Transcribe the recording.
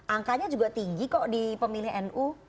angkanya juga tinggi kok di pemilih nu